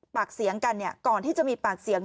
ปากเสียงกันก่อนที่จะมีปากเสียง